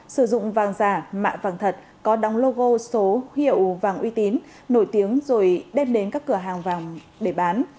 các đối tượng vàng giả mạng vàng thật có đóng logo số hiệu vàng uy tín nổi tiếng rồi đem đến các cửa hàng vàng để bán